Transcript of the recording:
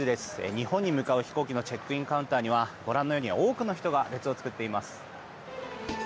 日本に向かう飛行機のチェックインカウンターにはご覧のように多くの人が列を作っています。